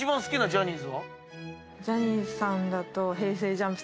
ジャニーズさんだと。